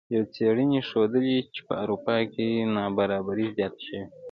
یوې څیړنې ښودلې چې په اروپا کې نابرابري زیاته شوې